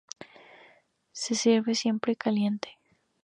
Se sirve siempre caliente.